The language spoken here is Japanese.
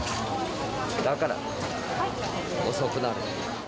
だから、遅くなる。